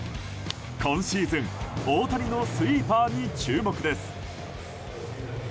今シーズン大谷のスイーパーに注目です。